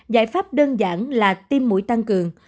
giải pháp đơn giản là tiêm mũi tăng cường